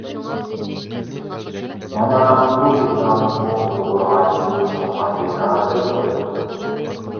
مانا بۇ بىنانىمۇ ئۇيغۇر ھاجىم سالغان بىنا دەيدۇ.